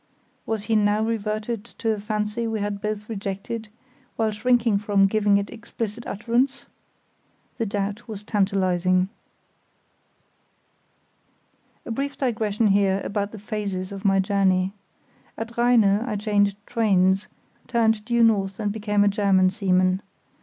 Was he now reverting to a fancy we had both rejected, while shrinking from giving it explicit utterance? The doubt was tantalising. A brief digression here about the phases of my journey. At Rheine I changed trains, turned due north and became a German seaman.